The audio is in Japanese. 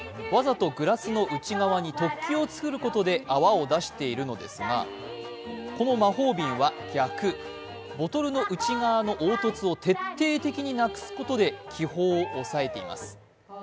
わざとグラスの内側に突起を作ることで泡を出しているのですがこの魔法瓶は逆、ボトルの内側の凹凸を徹底的になくすことで気泡を抑えています。